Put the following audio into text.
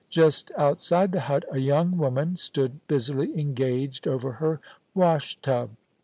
Just outside the hut a young woman stood busily engaged over her wash tub.